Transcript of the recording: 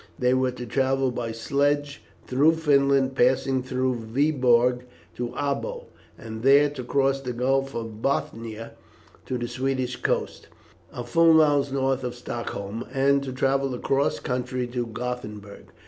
They were to travel by sledge through Finland, passing through Vibourg to Abo, and there to cross the Gulf of Bothnia to the Swedish coast, a few miles north of Stockholm, and to travel across the country to Gothenburg.